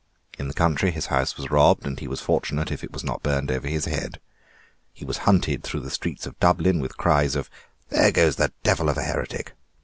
In the country his house was robbed, and he was fortunate if it was not burned over his head. He was hunted through the streets of Dublin with cries of "There goes the devil of a heretic."